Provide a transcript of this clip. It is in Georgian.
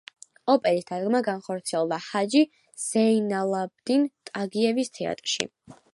ოპერის დადგმა განხორციელდა ჰაჯი ზეინალაბდინ ტაგიევის თეატრში.